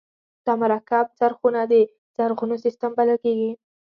دا مرکب څرخونه د څرخونو سیستم بلل کیږي.